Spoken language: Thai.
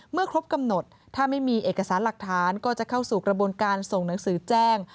ครบกำหนดถ้าไม่มีเอกสารหลักฐานก็จะเข้าสู่กระบวนการส่งหนังสือแจ้ง